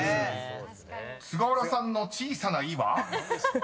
［菅原さんの小さな「イ」は？］